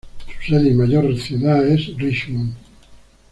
Su sede y mayor ciudad es Richmond.